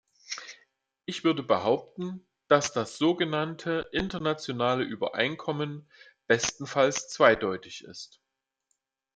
Ich würde behaupten, dass das so genannte internationale Übereinkommen bestenfalls zweideutig ist.